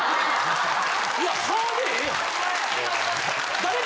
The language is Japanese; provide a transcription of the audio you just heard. いや「ハ」でええやん。